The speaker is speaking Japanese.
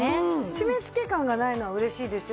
締め付け感がないのは嬉しいですよね。